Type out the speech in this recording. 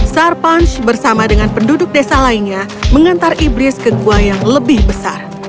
sarpanch bersama dengan penduduk desa lainnya mengantar iblis ke gua yang lebih besar